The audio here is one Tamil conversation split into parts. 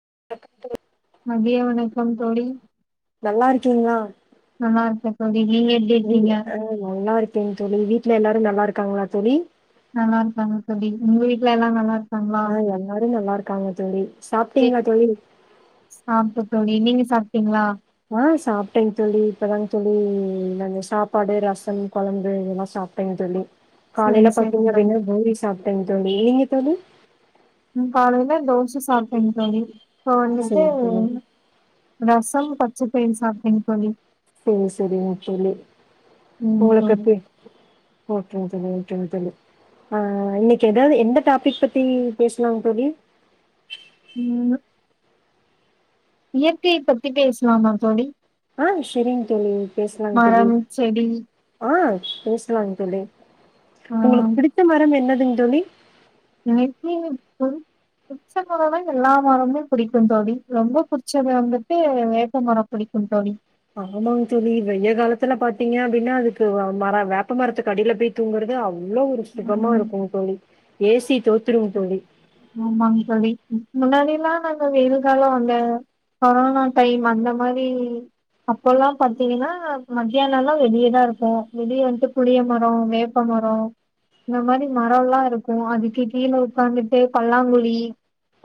[unintelligible] மதிய வணக்கம் தோழி நல்லா இருக்கீங்ளா நல்லா இருக்க தோழி நீங்க எப்டி இருக்கீங்க சேரிங்க தோழி தோழி வீட்ல எல்லாரு நல்லா இருக்காங்ளா தோழி நல்லா இருக்காங்க தோழி உங்க வீட்ல எல்லா நல்லா இரு ஆ எல்லாரு நல்லா இருக்காங்க தோழி சாப்டீங்ளா தோழி சாப்ட்டே தோழி நீங்க சாப்டீங்ளா ஆ சாப்ட்டேங் தோழி இப்பதாங்க தோழி இந்த சாப்பாடு ரசம் கொழம்பு இதெல்லா சாப்டேங் தோழி சரி காலைல சரி தோழி பாத்தீங்னாப்படி பூரி சாப்ட்டேங் தோழி நீங்க தோழி ம் காலைல தோச சாப்டேங் தோழி இப்ப வந்துட்டு சேரி தோழி ரசம் ப ச்சப்பயறு சாப்டேங் தோழி சேரி சேரிங் தோழி ம் உங்களுக்கு தோழி பி ஓகே ஆ இன்னக்கி எதாவது எந்த டாபிக் பத்தி பேசலாங் தோழி ம் இயற்கைய பத்தி பேசலாமா தோழி ஆம் சேரிங் தோழி பேசலாங் தோழி மரம் செடி ஆ பேசலாங் தோழி ஆ உங்களுக்கு புடிச்ச மரம் என்ன துங் தோழி எனக்கு புடு புடுச்ச மரம்னா எல்லா மரமுமே புடிக்கும் தோழி ரொம்ப புடிச்சது வந்துட்டு வேப்ப மரம் புடிக்கும் தோழி ஆமாங் தோழி வெய காலத்துல பாத்தீங்க அப்படின்னா அதுக்கு மர வேப்ப மரத்துக்கடியில பேய் தூங்குறது அவ் அவ்ளோ ஒரு சுகமா ம் இருக்கும் தோழி ஏ சி தோத்துடுங் தோழி லாம் நாங்க வெயில் காலம் அந்த கொரோனா டைம் அந்த மாரி அப்பல்லாம் பாத்தீங்கனா மதியானம் லா வெளியேதா இருப்போ வெளியே வந்து புளிய மரம் வேப்பமரம் இந்த மாரி மரம் லா இருக்கு அதுக்கு கீழ உட்காந்துட்டு பல்லாங்குழி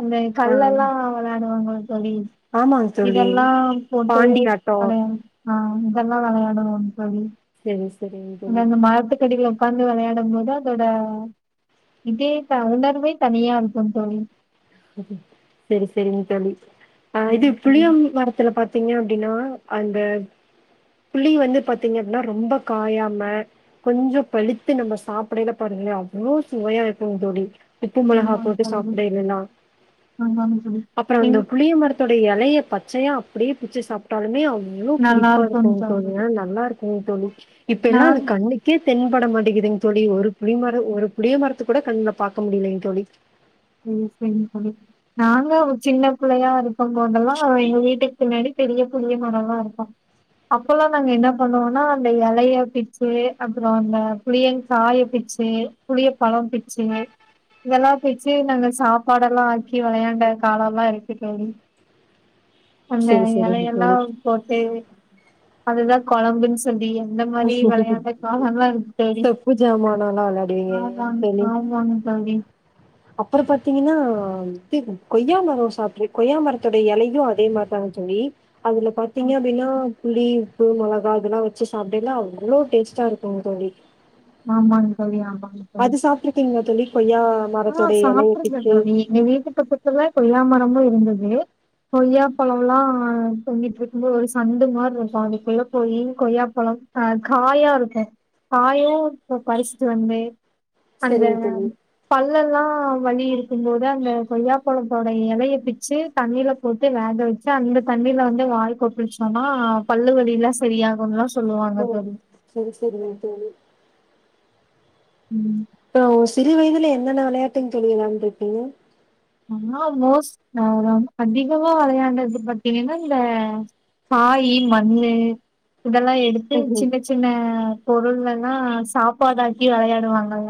அந்த ஆ கல்லெல்லா விளையாடுவாங்க தோழி ஆமாங்க தோழி. இதெல்லா போட்டு பாண்டி ஆட்டோ விளையா ஆ இதெல்லாம் விளையா ஹ சரி சரிங்க அந் தோழி. அந்த மரத்துக்கடில உட்காந்து விளையாடும் போது அதோட இதே உணர்வே தனியா இருக்கும் தோழி சேரி சேரிங் தோழி ஆ இது ம் அது புளியம் மரத்துல பாத்த பாத்தீங்க அப்டினா அந்த புளி வந்து பாத்தீங்க அப்டினா ரொம்ப காயாம கொஞ்சோ பழுத்து நம்ம சாப்டயில பாருங்கா அவ்வளோ சுவையா இருக்கும் தோழி உப்பு மிளகா போட்டு சாப்டயில லா ஆமாங் தோழி நீங் இலய பச்சைய அப்டியே பிச்சு சாப்பிட்டாலுமே அவ் எவ்ளோ நல்லா புளிப்பா இருக்கும்ங்க இருக்குங்கு தோழி சகோதரி ஆன நல்லா இருக்கு ம் தோழி இப்ப எல்லா அது நான் கண்ணுக்கே தென்பட மாட்டாங்குது தோழி ஒரு புளி மர ஒரு புளிய மரத்த கூட கண்ல பாக்க முடியலைங்க தோழி ம் சேரிங்க தோழி நாங்களு சின்ன பிள்ளையா இருக் இருக்கு போதல்ல எங்க வீட்டுக்கு பின்னாடி பெரிய புளிய மாரோல்ள இருக்கு அப்போல்லா நாங்க என்ன பண்ணுவோனா அந்த இலைய பிச்சு அப்புற அந்த புளியங்காய பிச்சு புளிய பழம் பிச்சு இதெல்லா பிச்சு பிச்சு நாங்க சாப்பாடெல்லா ஆக்கி விளையாண்ட காலயேல்லா இருக்கு தோழி அங்க சரி, சரிங்க இலையெல்லா தோழி. போட்டு அதுதா குழம்புன்னு சொல்லி அந்த மாரி விளையாண்ட கால்லா இருக்கு தோழி தொப்பு ஜாமானலாம் விளையாடுவீங்க ஆமாங்க ஆமாங்க தோழி அப்புற பாத்தீங்கன்னா இ கொய்யா மரோ சாப்பிட்டுருக் கொயாமரத்தோட இலையு அதே மாரிதாங்க தோழி அதுல பாத்தீங்க அப்டின்னா புளி உப்பு மொளகா அதெல்லா வச்சு சாப்பிடேல்லா அவ்ளோ டேஸ்ட்டா இருக்குங்க தோழி ஆமாங்க தோழி ஆமா அது சாப்ட்ருக்கீங்களா தோழி கொய்யா ஆ மரத்துடைய எலைய சாப்பிட்ருக்க பிச்சு தோழி எங்க வீட்டு பக்கத்துல கொய்யா மரமு இருந்து கொய்யாப்பழோலா தொங்கிட்ருக்கும்போது ஒரு சந்து மாரி இருக்கும் அதுக்குள்ள போயி கொய்யாப்பழோ அ காயா இருக்கும் காய போ பறிச்சுட்டு வந்து அந்த சேரிங்க தோழி பல்லெல்லா வலி இருக்கும்போது அந்த கொய்யாப்பழத்தோட எலய பிச்சு தண்ணியில போட்டு வேக வச்சு அந்த தண்ணில வந்து வாய் கொப்புழுச்சோன்னா பல்லு வலிலா செரியாகும்லா சொ ஓ சேரி சேரிங்க தோழி ம் அ ஓ சிறு வயதுல என்னென்ன விளையாட்டுங்க தோழி விளாண்டுருக்கீங்க [unintelligible] மோஸ் நா அதிகமா வெளையாண்டது பாத்தீங்கன்னா இந்த காயி மண்ணு இதெல்லா எடுத்து ம்ஹ்ம். சின்ன சின்ன பொருள் எல்லா சாப்பாடாக்கி வெளையாடுவாங்கல்ல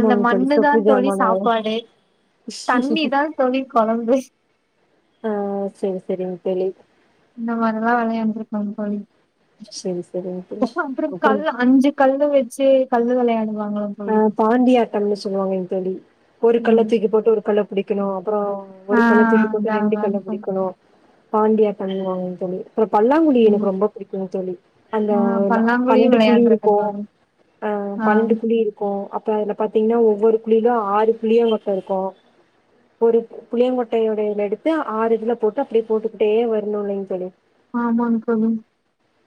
அந்த தோழி மண்ணு தா சொப்பு தோழி ஜாமண சாப்பாடு தண்ணி தா தோழி கொழம்பு ஆ சேரி சேரிங்க தோழி இந்த மாரில்லா வெளையாண்டுருகோங்க தோழி சரி சரிங்க தோழி அப்றோ அப்றோ அப்றோ அப்புறம் அது அஞ்சு கல்லு வெ [unintelligible] கல்லு வெளையாண் அ பாண்டியாட்டம்னு சொல்லுவாங்கைங்க தோழி ஒரு கல்ல தூக்கி போட்டு ஒரு கல்ல புடிக்கணு அப்பறோ ஒரு ஆ கல்ல தூக்கி போட்டு அதா ரெண்டு கல்ல அதாங் தோழி புடிக்கணு பாண்டியாட்டம் வாங்கைங்க தோழி அப்பறோ பல்லாங்குழி எனக்கு ரொம்ப புடிக்குங்கு தோழி அந்த ஆ பல்லாங்குழியு பன்னெண்டு குழி வெளையாண்டுருக்கே இருக்கும் தோழி அ ஆ பன்னெண்டு குழி இருக் அப்றோ அதுல பாத்தீங் ன ஒவ்வொரு குழிலும் ஆறு புளியங்கொட்ட இருக்கும் ஒரு புளியங்கொட்டையுடையில எடுத்து ஆறு இதுல போட்டு அப்டியே போட்டுக்கிட்டே வரணு இல்லைங்க தோழி ஆமாங்க தோழி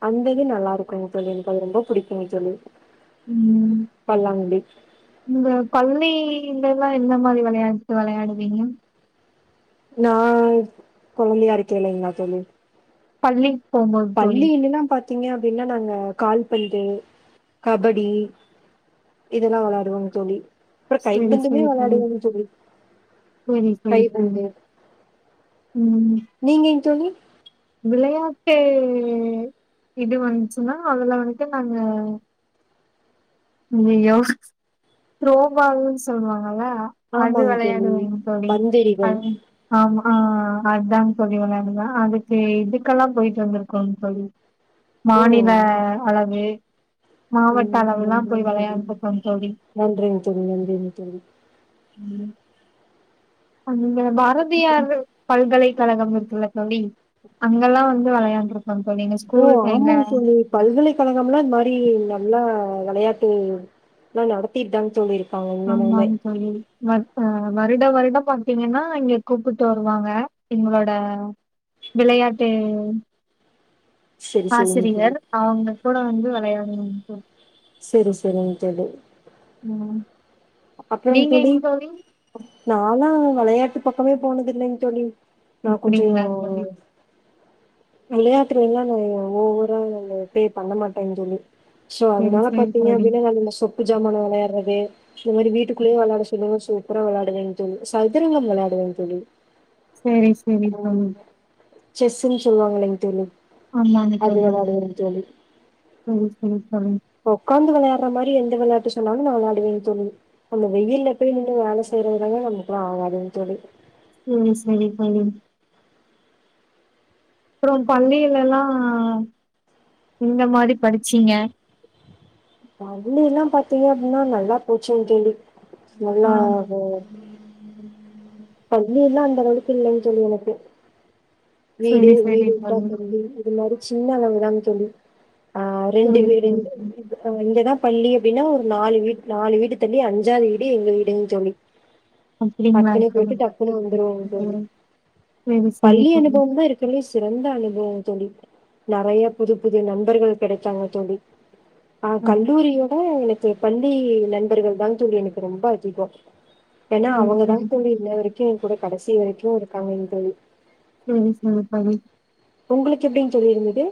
அந்த இது நல்லாருக்குங்க தோழி எனக்கு அது ரொம்ப புடிக்குங்க தோழி ம் பல்லாங்குழி உங்க பள்ளி லலா எந்த மாரி வெளையாட்டு வெளையாடுவீங்க நா கொழந்தையா இருக்கையிலைங்க தோழி பள்ளி பள்ளிலிலா பாத் திங்க அப்டின்னா நாங்க கால்பந்து கபடி இதுல்லா விளையாடுவோங்க தோழி அப்றோ செரி கைப்பந்துமே செரி தோழி வெளாடுவோங்க செரி செரி தோழி உம் நீங்கங் தோழி விளையாட்டு இது வந்துச்சுனா அதுல வந்துட்டு நாங்க ங்கயோ துரோ பால்னு சொல்லுவாங் ஆனா அது ஆமாங்க தோழி வெளையாடுவங்க தோழி பந்தெறிதல் அது ஆமா ஆ அதாங் தோழி வெளையாடுவே அதுக்கு இதுக்கெல்லா போயிட்டு வந்திருக்கோ தோழி ஓ மாநில ம் அளவு மாவட்ட அளவுல்லா நன்றிங்க போய் வெளையாண்டுருக்கோம் தோழி நன்றிங்க தோழி நன்றிங்க தோழி உம் அந்த பாரதியார் பல்கலைக்கழகம் இருக்குள்ள தோழி அங்கெல்லா வந்து வெளையாண்டிருக் ஓ ஆமாங்க தோழி பல்கலைக்கழகம்லா இந் மாரி எல்லா வெளையாட்டு லா நடத்திட்டாங் தோழி இரு ஆமாங்க தோழி வ வா வ வருட வருட பாத்தீங்கன்னா இங்க கூப்புட்டு வருவாங்க எங்களோட விளையாட்டு செரி செரிங்க தோழி ஆசிரியர் அவங்க தூட வந்து வெளையாடனு தோ செரி செரிங்க தோழி ம் அப்புறம் நீங்க தோழி எங்க நாலாம் வெளயாட்டு பக்கமே போனதுல்லைங் தோழி நா கொஞ்சம் இப்டிங்களா தோழி விளயாட்றீங்களா [unintelligible] ஓவரா நாங்க பே பண்ண மாட்டேன் தோழி சோ சேரி அதனால சேரி பாத்தீங்கா தோழி அப்டினா நாங்க இந்த சொப்பு ஜாமா வெளயாடுறது அதுமாரி வீட்டுக்குள்ளே வெளாட சொல்லுங்க சொ ப்பறோ வெளாடுவென் தோழி சதுரங்கம் விளையாடுவேன் தோழி சேரி சேரி உம் தோழி செஸ்சுன்னு சொல்லுவாங்களேங் தோழி ஆமாங்க அது தோழி ம் விளையாடுவேன் தோழி செரிங் தோழி உக்காந்து விளையாடுற மாரி எந்த விளையாட்டு சொன்னாலும் நான் விளாடுவேன் தோழி அந்த வெயில்ல போய் நின் வேலை செய்றதுதாங்க நமக்குலாம் ஆவாதுங்க தோழி உம் சரி தோழி அப்றொம் பள்ளியிலல்லா எந்த மாரி படிச்சீங்க? பள்ளில்லாம் பாத்தீங்க அப்டின்னா நல்லா போச்சிங்க தோழி ஆ நல்லாவே வீட்லாம் அந்தளவுக்கு இல்லங்க தோழி எனக்கு வீடு சரி சரி வீடு தோழி விட்டா பள்ளி இது மாரி சின்ன அளவுதாங்க தோழி ஆ ரெண்டு சரி வீடு இந்த சரி அ இங்கதா பள்ளிய அப்டினா ஒரு நாலு வீடு நாலு வீடு தள்ளி அஞ்சாது வீடு அப்டியே எங்க வீடுங் தோழி அப்டிங்களா டக்குனு போய்ட்டு டக்குனு வந்துருவோங் தோழி தோழி சரி சரி பள்ளி அனு நா தோழி தா இருக்கர்லே சிறந்த அனுபவம் தோழி நெறைய புது புது நண்பர்கள் கெடச்சாங்க தோழி ஆ சரி கல்லூரிய விட எனக்கு பள்ளி நண்பர்கள் தா தோழி எனக்கு ரொம்ப அதிகோ ஏன்னா அவங்கதா சரி தோழி இன்ன வரைக்கு எங்கூட கடைசி வரைக்கு இருக்காங்கங் தோழி இல்ல தோழி உங்களுக்கு எப்படிங் தோழி இருந்தது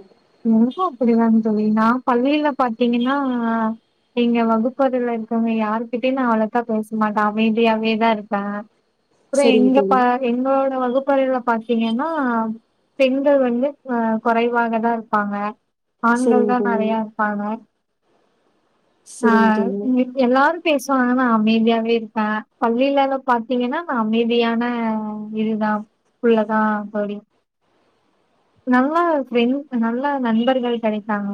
மோஸ்ட்டா அப்பிடி தா தோழி நா பள்ளில பாத்தீங்கன்னா எங்க வகுப்பறைல இருக்கவங்க யாருகிட்டயு நா அவ்ளோக்கா பேசமாட்டா அமைதியாவே தா இருப்பே ப்றோ சரிங்க எங்க தோழி பா என்னோட வகுப் வரைல பாத்தீங்கன்னா பெண்கள் வந்து அ குறைவாகதா இரு ப்பாங்க சரிங்க ஆண்கள்தா தோழி நெறயா இருப்பாங்க ஆ சரிங்க இங்கங்க எல்லாரு பேசுவாங்க அமைதியாவே இருக்கா பள்ளியில்லலோ பாத்தீங்கன்னா நா அமைதியான இதுதா புள்ளதா தோழி நல்லா ஃபிரண் நல்ல நண்பர்கள் கெடைத்தாங்க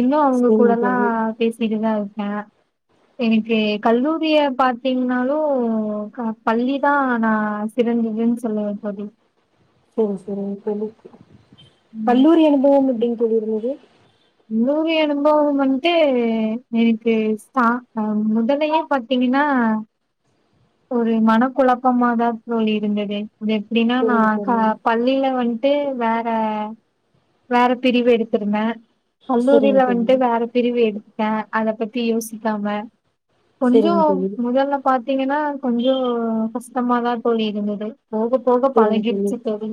இன்னு அவங்க கூடலா தோழி பேசிட்டுதா இரு ஹா எனக்கு கல்லூரிய பாத்தீங்கன்னாலு க பள்ளிதா நா சிறந்ததுன்னு சொல்லுவ தோழி செரி செரிங் தோழி ம். கல்லூரி அனுபவம் எப்டி தோழி இருந்துது லூவி அனுபவம் வந்து எனக்கு சாட்டா முதலையா பாத்தீங்கன்னா ஒரு மனக்குழப்பமாதா தோழி இருந்துது அது எப்டின்னா நா சரிங்க க தோழி பள்ளியில வன்ட்டு வேற வேற பிரிவு எடுத்திருந்த சரிங்க கல்லூரில தோழி வண்ட்டு வேற பிரிவு எடு அ அத பத்தி யோசிக்காம கொஞ்சோ சரிங்க தோழி முதல்ல பாத்தீங்கன்னா கொஞ்சோ கஷ்டமாதா தோழி இருந்தது போக போக சரிங்க தோழி பழகிடுச்சு போழி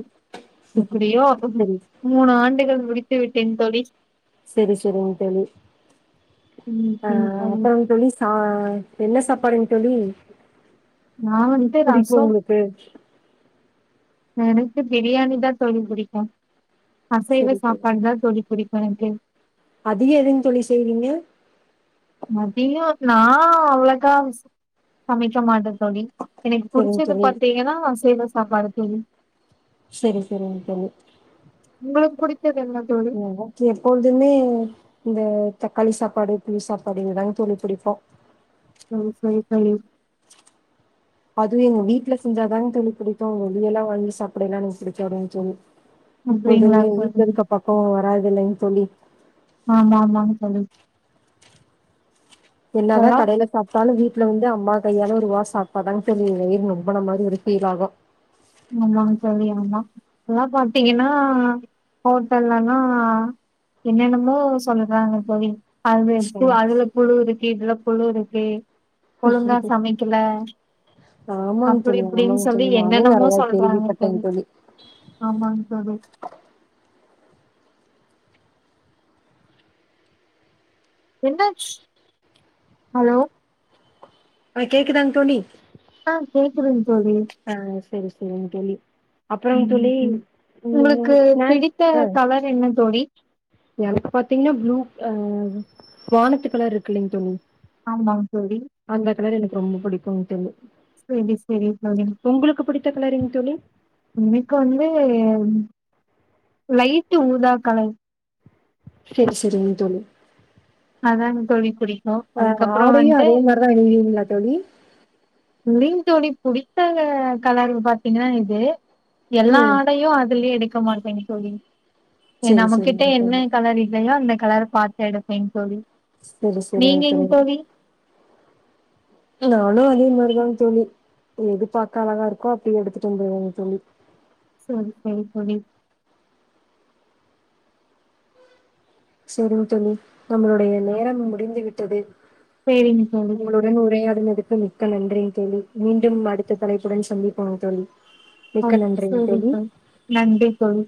முப்படியோ அ சரி மூணு ஆண்டுகள் குடித்து விட்டேன் தோழி செரி செரி செரிங்க தோழி ம் அ ம் ம் அப்றோம் தோழி சா என்ன சாப்பாடுங்கு தொழி நா வண்ட்டு ரசோ எனக்கு பிரியாணி தா தோழி புடிக்கு அசைவ சரி தோழி சாப்பாடுதா தோழி பிடிக் எனக்கு அதிக எதுன் தோழி செய்விங்க மதியோ நா அவளக்கா சமைக்க மாட்டே தோழி எனக்கு சரிங்க பிடிச்சது தோழி பாத்தீங்கன்னா அசைவ சாப்பாடுதுன் செரி செரிங் தொழி உங்களுக்கு புடிக் எனக்கு எப்பொழுதுமே இந்த தக்காளி சப்பாடு ளி சாப்பாடுதாங் தொழி புடிப்போ ம் செரி தோழி அது எங்க வீட்ல செஞ்சாதா தொழி பிடிக்கோ வெளிய எல்லா வாங்கி சப்பட எல்லா பிடிகாது தொழி அப்டிங்களா எப்போதுமே தோழி வீட்லருக்க பக்கோ வராதுல்ல தொழி ஆமா ஆமாங் தோழி என்னாதா இப்பல்லா கடைல சாப்ட்டாலு வீட்ல வந்து அம்மா கையால ஒருவா சாப்டாதாங் வயிர் நெம்போ உபன மாரி ஒரு இரிடேஜ் ஆகோ ஆமா தோழி ஆமா எல்லா பாத்தீங்கனா ஹோட்டல்லலா என்னென்னமோ சொல்றாங்க தோழி அது ம் [unintelligible] குழுது இதுல புழு இருக்கு ஒழுங்கா சமக்கல ஆமாங்க அப்டி தோழி ஆமாங்க இப்டின்னு சொல்லி தோழி நானு என்னென்னமோ நெறைய [unintelligible] கேள்விப்பட்டேங்க தொழி தோழி ஆமாங்க தோழி என்ன ஆச்சு ஹலோ ஆ கேக்குதாங்க தோழி ஆ கேக்குதுங் தோழி ஆ செரி செரிங் தோழி அப்புறங்க ம் தோழி ம் ம் உங்ளுக்கு பிடித்த ஸ்நாக்ஸ் ஆ கலர் என்ன தோழி எனக்கு பாத்தீங்கன்னா ப்ளூ ஆ வானத்து கலர் இருக்குலைங்க தோழி ஆமாங் தோழி ம் அந்த கலர் எனக்கு ரொம்ப புடிக்கு கும் தோழி செரி செரி உங்ளுக்கு பிடித்த கலறிங்க தோழி இன்னிக்கு வந்து லைட்டு ஊதா கலர் செரி செரிங்க தோழி அதங்க தோழி புடி ஆ ஆடையு அதே மாரிதா அனிவிங்களா தோழி ங் தோழி புடித்த கலர் பாத்தீங்கனா இது எல்லா ம் ஆடையு அதுலய எடு எடுக்க மாட்ட தோழி செரி நமகிட்ட செரிங்க தோழி என்ன கலர் இலயோ அந்த கலர் பாத்து எடுப்பேங் தோழி செரி செரி மிச்ச நீங்கங் மீதி தோழி நானு அதே மாரிதா தோழி எது பாக்க அழகா இருக்கோ அப்டியே எடுத்துட்டு வந்துருவ சொல்லி செரி செரி தோழி செரிங்க தோழி நம்மளுடைய நேரம் முடிந்து விட்டது செரிங்க தோழி க்க நன்றி தோழி மீண்டும் அடுத்த தலை உடன் சந்தி போங்க தோழி ஓ மிக்க நன்றிங்க சேரிங் தோழி நன்றி தோழி